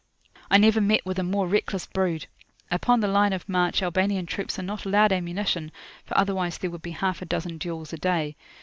I never met with a more reckless brood. Upon the line of march Albanian troops are not allowed ammunition; for otherwise there would be half a dozen duels a day.